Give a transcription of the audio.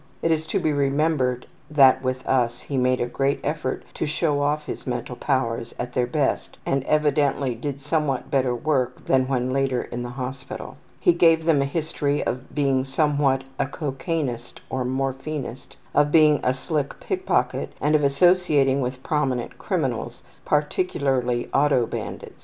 (It is to be remembered that with us he made great effort to show off his mental powers at their best and evidently did somewhat better work than when later in the hospital.) He gave them a history of being somewhat of a cocainist and morphinist, of being a slick ``pickpocket,'' and of associating with prominent criminals, particularly ``auto'' bandits.